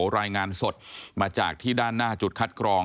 รายงานสดมาจากที่ด้านหน้าจุดคัดกรอง